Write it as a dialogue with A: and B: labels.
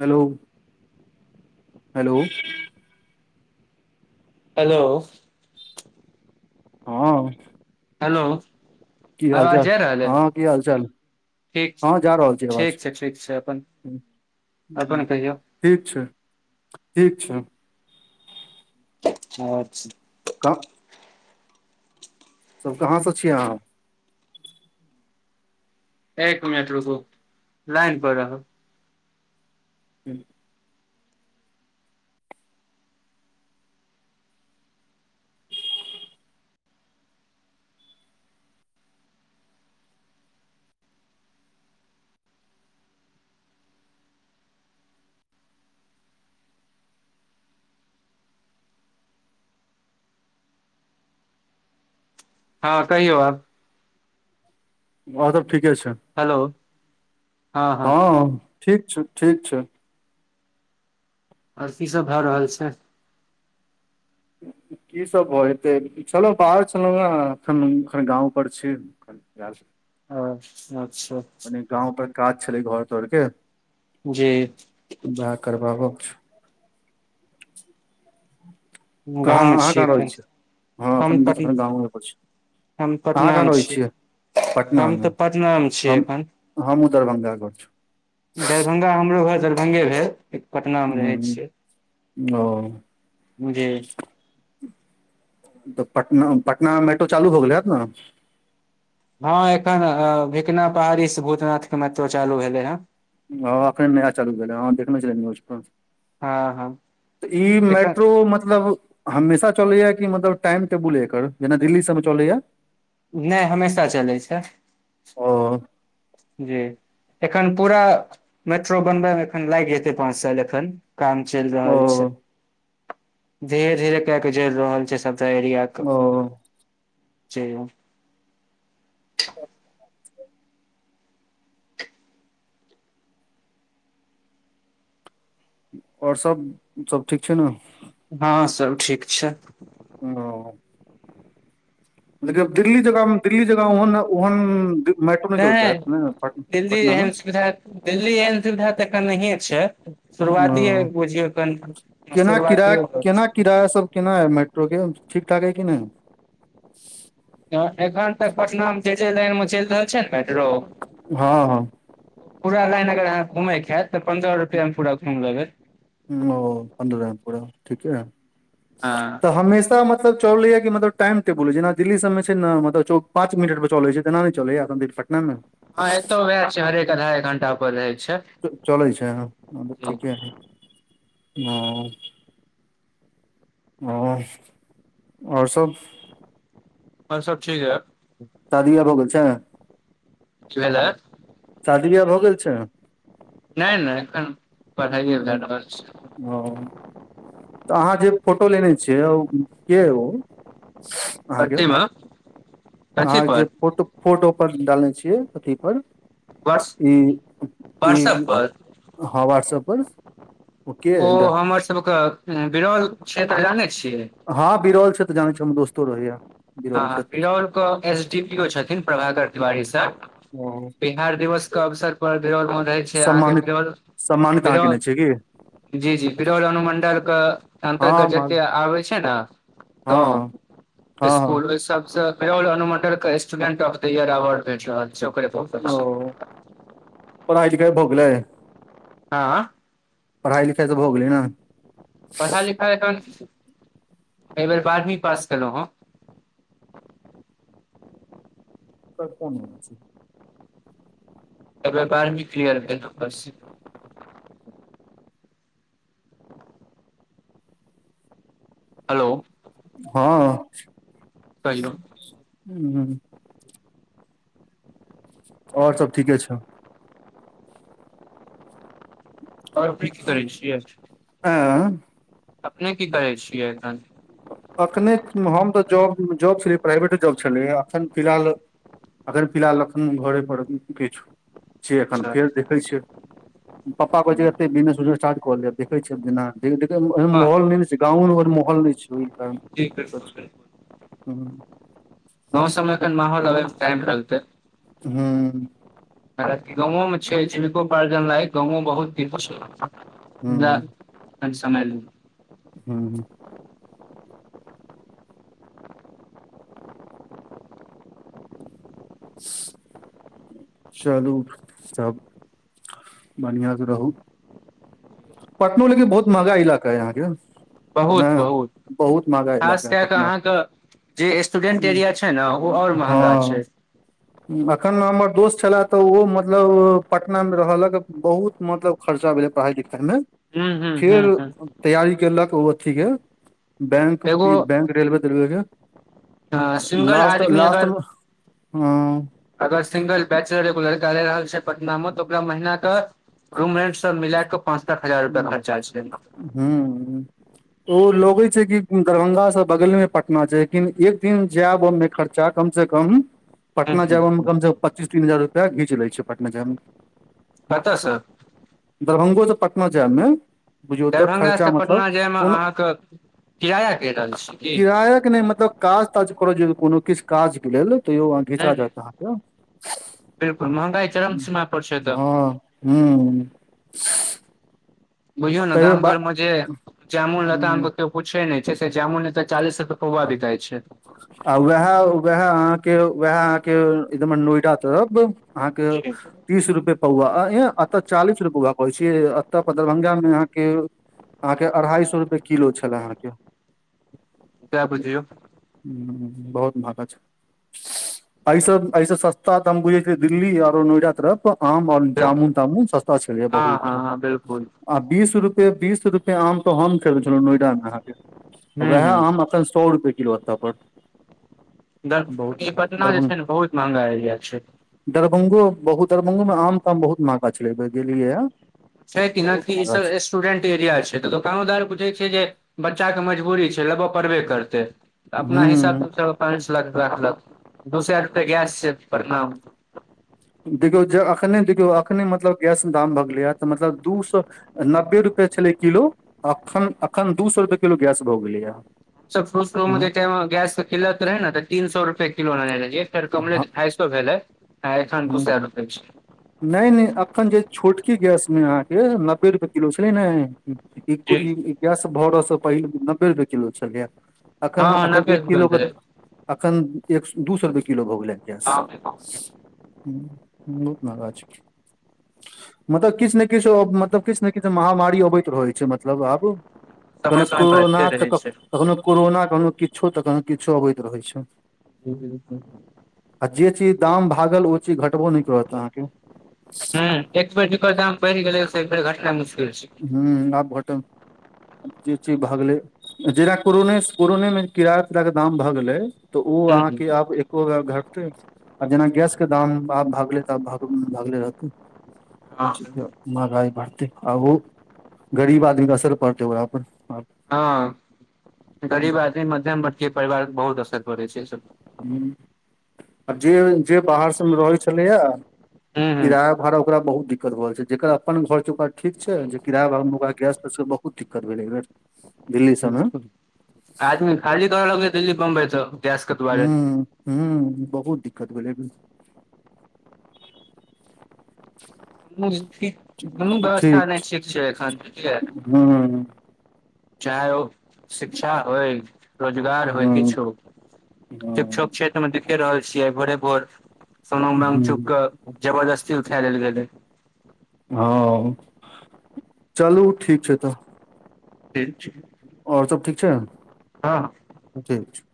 A: Hello hello.
B: Hello.
A: हँ।
B: Hello.
A: की हाल चाल, हँ की हाल चाल?
B: ठीक छै,
A: हँ जा रहल आवाज
B: ठीक छै, ठीक छै, अपन
A: हम्म,
B: अपन कहियौ?
A: ठीक छै ठीक छै।
B: च [unintelligible]
A: कऽ सब कहाँ से छियै अहाँ?
B: एक मिनट रुकू, लाइन पर रहब।
A: हूँ।
B: हँ, कहियौ आब।
A: बौआ सब ठीके छै।
B: हैलो।
A: हँ ठीक छै, ठीक छै।
B: आर की सब भए रहल छै?
A: की सब भऽ एतै? छलहु बाहर छलहुँ हँ, एखन एखन गाँव पर छी। इ [unintelligible]
B: हंअच्छा।
A: मने गाँव पर काज छलै घर तर के।
B: जी। [unintelligible]
A: वएह करबाबक छै। कहाँ
B: गाँवमे
A: अहाँ कहाँ रहै
B: एखन
A: छियै? अहाँ
B: हम
A: अपन
B: पट
A: ग गाँवें पर छी।
B: हम
A: अहाँ कहाँ
B: पटनामे
A: रहै
B: छी
A: छियै?
B: हम
A: पटनामे,
B: तऽ पटनामे छियै
A: हम
B: एखन
A: हँमुँ दरभंगा घर छै।
B: दरभंगा हमरो घर दरभंगे भेल। पटनामे रहै
A: ह ओ।
B: मुजे
A: तऽ पटना, पटना में मेट्रो चालू भ गेलै हैत ने?
B: हँ एखन अ भिकना पहाड़ी से भूतनाथ क मेट्रो चालू भेले हँ।
A: हँ, एखन नया चालू भेलै हँ। हँ देखने छलियै न्यूज पर।
B: हँ हँ
A: त ई
B: एखन
A: मेट्रो मतलब हमेशा चलैया कि मतलब टाइम टेबुल ऐ एकर, जेना दिल्ली सबमे चलैया?
B: नै हमेशा चलै छै।
A: ओ
B: जी, एखन पूरा मेट्रो बनबय मे एखन लागि जेतै पाँच साल एखन। काम चइल
A: ओ
B: रहल छै, धीरे धीरे क के जोइर रहल छै सबटा एरिया।
A: ओ।
B: सेू [unintelligible]
A: आओर सब -सब ठीक छै नऽ।
B: हँ सब ठीक छै।
A: ओ देखी अब दिल्ली जगह दिल्ली जगह ओहन- ओहन मेट्रो चलतै
B: नहि
A: नै -नै पट -
B: दिल्ली
A: पटनामे।
B: एहन सुविधा दिल्ली एहन सुविधा तऽ एतऽ नहिे छै। शुरुआतिये
A: ओ
B: बुझियौ कन
A: केना किराया
B: शुरुआतिये
A: केना
B: [unintelligible]
A: किराया सब केना अइ मेट्रोके ठीकठाक हइ कि नै।
B: एखन तक पटना मे जे जे लाइन मे चैल रहल छै ने मेट्रो
A: हँ हँ।
B: पूरा लाइन अगर आहाँ घुमै के हेएत तऽ पंद्रह रुपआ मे पूरा घुइम लेबै
A: ओ पंन्द्रह पूरा ठीक है
B: हँ
A: तऽ हमेशा मत सब चलैया की मतलब टाइम टेबुल जेना दिल्ली सब मे छै ने मतलब चौ पाँच मिनट पर चलै छै तना नै चलैया। नैय- नैय।
B: तऽ वएह छै हरेक अधा एक घण्टा पर रहै छै।
A: चलै छै हँ तऽ ठीके है हँ। [unintelligible] आओर सब।
B: और सब ठीक है।
A: शादिया भऽ गेल छै।
B: कि भेलै।
A: शादी बियाह भऽ गेल छै।
B: नैय-नैय एखन पढ़ाइए भए रहल छै।
A: ओ तऽ आहाँ जे फोटो लेने छियै ओ के या ओ। आहाँके
B: कथीमे कथी
A: अहाँ जे
B: पर
A: फोट फोटो पर डालने छियै अथी पर
B: वर्ष
A: ई
B: वर्षक
A: ई
B: पर
A: हँ वाट्सअप पर।
B: ओ हमर सबके बिरोल क्षेत्र जानै छियै।
A: हँ बिरौल क्षेत्र जानै छियै हमर दोस्तो रहैया। बिरौल
B: हँ
A: छथि
B: बिरौलके एस डी पी ओ छथिन प्रभाकर तिवारी सर।
A: ओ
B: बिहार दिवस के अवसर पर बिरौल मे रहै छियै अहाँ के
A: सम्मानित
B: बिरौल।
A: सम्मानित आहाँ केने
B: बिरौल
A: छियै की।
B: जी जी बिरल अनुमंडल के
A: हँ
B: अंतर्गत
A: माल
B: जते आबे छै ने
A: हँ
B: गाँव
A: हँ हँ
B: स्कूल
A: हँ
B: ओ सब अनुमंडल के student of the year award भेट रहल छै ओकरे पर।
A: ओ पड़ाइ - लिखाय भऽ गेलै।
B: आँ
A: पढ़ाइ लिखाइ सब भऽ गेलै नऽ।
B: पढ़ाइ-लिखाइ एखन एयबेर बारहमी पास केलौ हँ।
A: तब कोन [unintelligible]
B: एय बेर बारमी क्लियर भेल हँ बस। हलो।
A: हँ
B: कहियौ
A: हू। और सब ठीके छै।
B: और
A: एँ
B: अपने की करय छियै एखन?
A: अखने हम तऽ जॉब जॉब छलियै प्राइवेटे जॉब छलैए अखन फिलहाल अखैन फिलहाल एखन घरे पर किछु छियै, एखन
B: अच्छा
A: फेर देखै छियै। पप्पा कहै छथि एत्तै बिजनेस उजनेस स्टार्ट क ले देखै छियै आब जेना गाँवो
B: हँ
A: मे मगर माहौल नहि छै।
B: जी बिलकुल बिल
A: हँ
B: गांव सब मे अखैन माहौल अबै मे टाइम लगतै।
A: हँ
B: गाँंवो मे छै जीविकोपार्जन लाय गांवो बहुत
A: हूँ
B: [unintelligible] समय ले
A: हू चलू तब बढ़िआं से रहू। पटनो लेकिन बहुत महगा इलाका अइ अहाँके। ने
B: बहुत बहुत
A: बहुत महगा
B: खास
A: इलाका अइ
B: कए कऽ
A: पटना
B: अहाँके जे स्टूडेंट एरिया छै ने ओ आओर महंगा छै।
A: हँ अखन हमर दोस्त छलए तऽ ओ मतलब पटना मे रहलक बहुत मतलब खर्चा भेलै पढ़ाइ लिखाइ मे,
B: हूँ हूँ हूँ
A: फेर
B: हूँ
A: तैयारी केलक ओ अथीके बैंक
B: एगो
A: बैंक रेलवे तेलबे
B: अ
A: के
B: सिंगल
A: लास्ट
B: आदमी
A: लास्ट
B: अगर
A: मे हँ।
B: अगर सिंगल बैचलर ए गो लड़का रहि रहल छथि पटना मे, तऽ ओकरा महिना के रूम रेंट सब मिला कऽ पाँच सात हजार रुपआ खरचा छै।
A: हू। ओ लगै छै कि दरभंगा से बगले मे पटना छै लेकिन एक दिन जाय आबऽ मे खर्चा चा कम से कम
B: हूं
A: पटना जाय मे
B: हूं
A: कमसँ कम पच्चीस तीस हजार रुपैआ घीच लै छै पटना जायमे
B: कतऽ स
A: दरभंगो सँ पटना जायबमे बुझियौ तऽ
B: दरभंगा
A: खर्चा
B: से
A: मतलब
B: पटना जायमे
A: कोन
B: अहाँके किराया कहि रहल छी की
A: किराया के नहि मतलब काज ताज करऽ जइयौ कोनो किछु काज के लेल तैयो घिचा जायत अहाँके
B: बिलकुल महंगाई चरमसीमा पड़ छै तऽ।
A: हँ।
B: बुझियौ ने
A: तैयो
B: गाम
A: बा
B: घर मे जे जामुन
A: हूँ
B: लताम के केओ पूछै नहि छै से जामुन लताम एतऽ चालीस रूपए पौवा बिकाइ छै।
A: आ वेएह वेएह आहाँके वएह आहाँ के एदम नोएडा तरफ अहाँके
B: जी
A: तीस रुपए पौआ एतऽ चालीस रुपैए पौआ कहै छियै एतऽ दरभंगा मे अहाँके अहाँ के अढ़ाई सए रूपेए किलो छले अहा के
B: सेएह बुझियौ
A: हू बहुत महगा छै, ऐस ऐसे सस्ता तऽ हम बुझै छी दिल्ली आरो नोएडा तरफ आम आओर
B: बिल्कुल
A: जामुन तामुन सस्ता छलैए
B: हँ
A: बहुत
B: हँ हँ बिलकुल
A: आ बीस रूपए बीस रूपए आम तो हम खेने छलहुं नोएडा मे अहाँके
B: हूँ
A: वएह
B: हूँ
A: आम एत सौ रुपए किलो औत तऽ अपन।
B: द ई पटना जे छै ने बहुत महंगा एरिया छै,
A: दरभ्ंगो बहुत दरभंगोमे आम-ताम बहुत महगा छले अहिबेर गेलियैए,
B: छै कि न की ई सब एस स्टूडेंट एरिया छै तऽ दोकानोदार बुझै छै जे बच्चा के मजबूरी छै लेबय पड़बे करतै तऽ अपना
A: हूं
B: हिसाबसँ पाँच लाख कै देलक दू सै रुपए गैस छै प्रणाम
A: देखियौ जे अखने देखियौ अखने मतलब गैस दाम भग गेलैए तऽ मतलब दू सौ नब्बे रुपए छलै किलो अखन अखन दू सौ रुपए किलो गैस भऽ गेलैए
B: सब फू
A: हूं
B: गैस किलत रहै ने तऽ तीन सौ रुपए किलो रहै र कमलै
A: हँ
B: त ढाई सौ भेलै आ एखन दू
A: हूं
B: सै रुपया छै।
A: नहि नहि एखन जे छोटकी गैसमे अहाँके नब्बे रुपैए किलो छलै ने [unintelligible]
B: जी
A: ई गैस भरसँ पहिल नब्बे रुपए किलो छलैए।
B: हँ
A: अखन
B: हँ
A: अखन
B: नब्बे
A: एक
B: रुपए
A: किलो के
B: भेलै
A: अखन एक दू सौ रुपए किलो भऽ गेलै गैस
B: हँ
A: महगा छै। मतलब किछ ने किछ मतलब किछ ने किछ महामारी अबैत रहै छै मतलब आब
B: समय
A: कनहु
B: समय पर
A: कोरोना
B: अबिते
A: तऽ
B: रहै
A: क कखनहु कोरोना कखनहु किछो तऽ कखनहु किछो अबैत रहै छै।
B: ठ [unintelligible]
A: आ जे चीज दाम भागल ओ चीज घटबो नहि करत अहाँके।
B: ह एक बेेर जेकर दाम बढि गेलै से एक बेर घटनाइ मुश्किल छै,
A: हूँ आब घट जे चीज भए गेलै जेना कोरोने कोरोनेमे कीड़ा तड़ाके दाम भए गेलै तऽ ओ
B: हूँ
A: आहाँके आब एको बे घटते आब जेना गैस के दाम आब भागले त आब भग लागल रहतै
B: हूँ
A: ठीके। महगाई बढ़तै आ ओ गरीब आदमीके असर पड़तै ओकरा पर
B: हँ गरीब
A: पर
B: आदमी मध्यम वर्ग परिवार बहुत असर पड़ै छै। ओइसे
A: हू आ जे जे बाहर सभ रहै छलैया
B: हूँ हूँ
A: किराया भाड़ा ओकरा बहुत दिक्कत भ रहल छै जेकर अपन घर छै ओकरा ठीक छै जे किराया भ ओक गैस के बहुत दिक्कत भेलै [inaudible]
B: बु [unintelligible] आजमी खाली द रहल अय दिल्ली बम्बइ से
A: हँ। हू बहुत दिक्कत भेलै अभी
B: घ [unintelligible] व्यवस्था नहि ठीक छै एखन
A: हूँ हूँँ।
B: चाहे ओ शिक्षा होइ रोजगार होइ
A: हूँ
B: किछो होइ
A: हूँ
B: [unintelligible] क्षेत्र मे देखे रहल छियै भोरे भोर सोना चुप
A: हूँ
B: क जबरदस्ती उठा लेल गेलै।
A: हँ चलू ठीक छै तऽ।
B: ठीक छै।
A: आओर सब ठीक छै।
B: हँ।
A: ठीक छै।